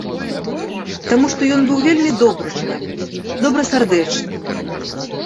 Таму што ён быў вельмі добры чалавек, добрасардэчны.